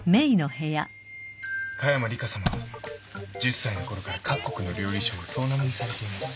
華山リカさまは１０歳のころから各国の料理賞を総なめにされています。